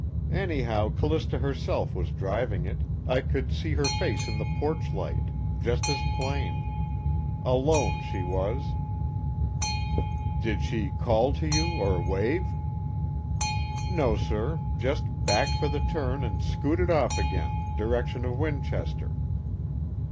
Anyhow C'lista herself was driving it, I could see her face in the porch light, just as plain. Alone, she was." "Did she call to you, or wave?" "No, sir, just backed for the turn and scooted off again, direction of Winchester."